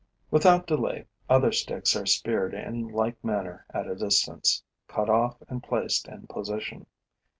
Without delay, other sticks are speared in like manner at a distance, cut off and placed in position.